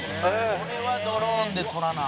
「これはドローンで撮らな」